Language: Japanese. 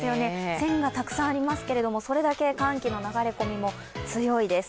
線がたくさんありますけれども、それだけ寒気の流れ込みも強いです。